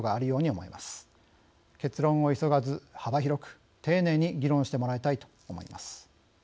結論を急がず幅広く丁寧に議論してもらいたいと思います。